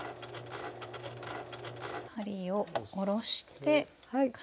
針を下ろして回転。